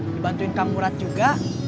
dibantuin kang murad juga